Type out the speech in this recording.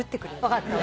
分かった。